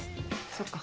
そっか。